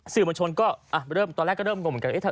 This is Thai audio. สื่อมวลชนก็ตอนแรกเริ่มงงเหมือนกัน